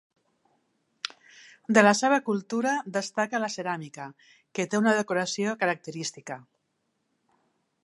De la seva cultura destaca la ceràmica, que té una decoració característica.